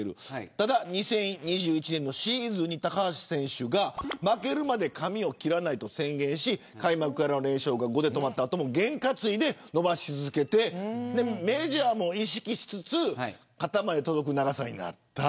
ただ２０２１年のシーズンに高橋選手が負けるまで髪を切らないと宣言し開幕からの連勝が５で止まった後も験担ぎで伸ばし続けてメジャーも意識しつつ肩まで届く長さになった。